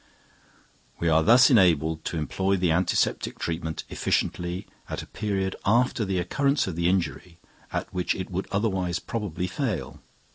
We are thus enabled to employ the antiseptic treatment efficiently at a period after the occurrence of the injury at which it would otherwise probably fail.